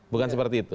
bukan seperti itu